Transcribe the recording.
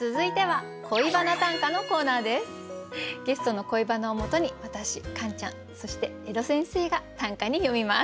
続いてはゲストの恋バナをもとに私カンちゃんそして江戸先生が短歌に詠みます。